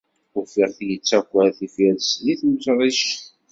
Ufiɣ-t yettaker tifirest deg temṛict.